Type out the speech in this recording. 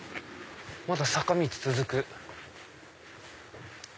まだ坂道続く。